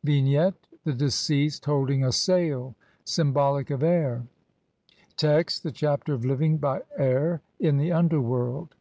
] Vignette : The deceased holding a sail, symbolic of air. Text : (1) The Chapter of living by air in the under world.